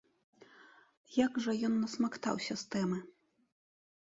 Як жа ён насмактаўся з тэмы!